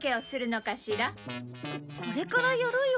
ここれからやるよ。